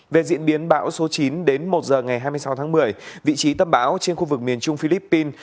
về diễn biến bão số chín đến một giờ ngày hai mươi sáu tháng một mươi vị trí tâm bão trên khu vực miền trung philippines